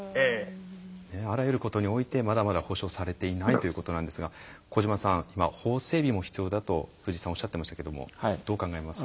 あらゆることにおいてまだまだ保障されていないということなんですが小島さん、今法整備も必要だと藤井さんがおっしゃっていましたけどどう考えますか？